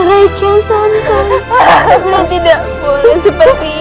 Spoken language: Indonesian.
tidak tidak tidak